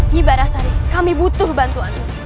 nyi barahsari kami butuh bantuanmu